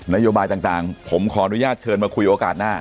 นโยบายต่างผมขออนุญาตเชิญมาคุยโอกาสหน้า